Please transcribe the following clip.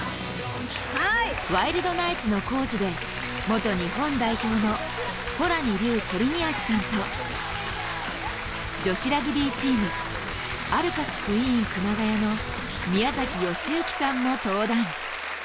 ワイルドナイツのコーチで元日本代表のホラニ龍コリニアシさんと女子ラグビーチームアルカスクイーン熊谷の宮善幸さんも登壇。